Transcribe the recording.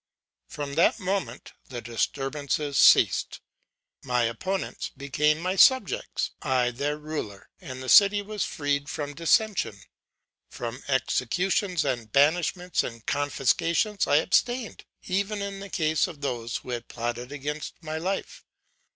'From that moment, the disturbances ceased. My opponents, became my subjects, I their ruler; and the city was freed from dissension. From executions and banishments and confiscations I abstained, even in the case of those who had plotted against my life.